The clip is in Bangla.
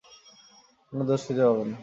কোন দোষ খুঁজে পাবে না।